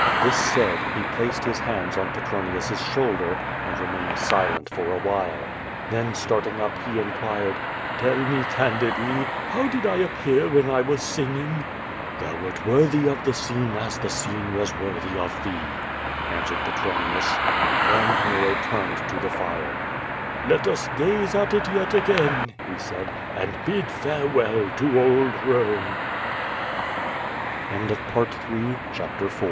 This said, he placed his hands on Petronius's shoulder, and remained silent for a while. Then starting up, he inquired: "Tell me candidly, how did I appear when I was singing?" "Thou wert worthy of the scene as the scene was worthy Df thee," answered Petronius. Then Nero turned to the fire: "Let us gaze at it yet again," he said, "and bid farewell to old Some."